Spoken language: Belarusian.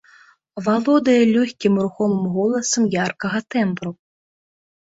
Валодае лёгкім рухомым голасам яркага тэмбру.